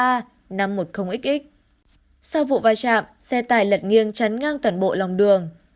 sau vụ vai trạm xe tải lật nghiêng chắn ngang toàn bộ lòng đường